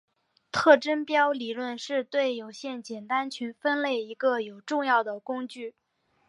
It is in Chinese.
特征标理论是对有限简单群分类的一个有重要的工具。